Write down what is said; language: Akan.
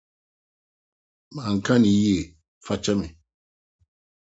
Manka no yie. Fa kyɛ me.